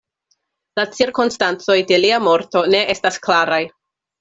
La cirkonstancoj de lia morto ne estas klaraj.